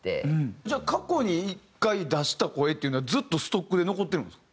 じゃあ過去に１回出した声っていうのはずっとストックで残ってるんですか？